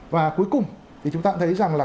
và cuối cùng thì chúng ta thấy rằng là